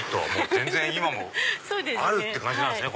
全然今もあるって感じなんすね。